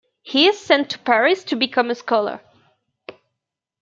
He is sent to Paris to become a scholar.